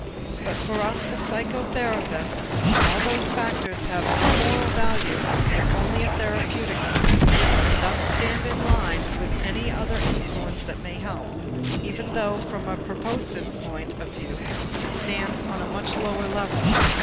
But for us as psychotherapists all those factors have no moral value but only a therapeutic one, and thus stand in line with any other influence that may help, even though from a purposive point of view it stands on a much lower level.